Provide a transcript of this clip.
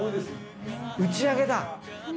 打ち上げだ。